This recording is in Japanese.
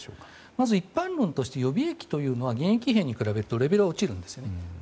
まず一般論として予備役というのは現役兵に比べるとレベルは落ちるんですよね。